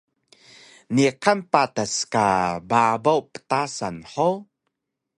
Niqan patas ka babaw ptasan hug?